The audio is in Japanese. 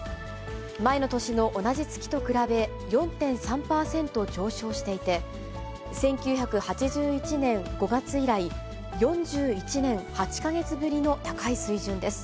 前の年の同じ月と比べ、４．３％上昇していて、１９８１年５月以来、４１年８か月ぶりの高い水準です。